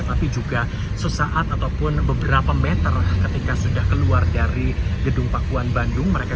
tapi juga sesaat ataupun beberapa meter ketika sudah keluar dari gedung pakuan bandung mereka